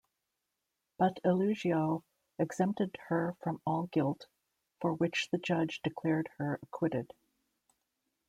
But Eulogio exempted her from all guilt, for which the judge declared her acquitted.